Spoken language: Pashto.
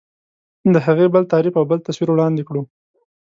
د هغې بل تعریف او بل تصویر وړاندې کړو.